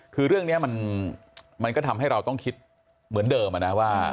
คือเรื่องนี้มันก็ทำให้เราต้องคิดเหมือนเดิมนะว่า